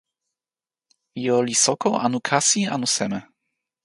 ijo li soko anu kasi anu seme?